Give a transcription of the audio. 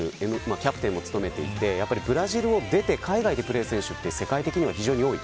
キャプテンも務めていてブラジルを出て海外でプレーする選手は世界的に非常に多い。